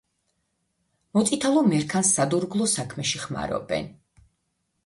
მოწითალო მერქანს სადურგლო საქმეში ხმარობენ.